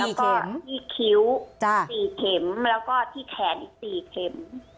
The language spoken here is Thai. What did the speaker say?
แล้วก็ที่คิ้ว๔เข็มแล้วก็ที่แขนอีก๔เข็ม